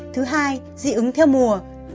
thứ hai dị ứng theo mùa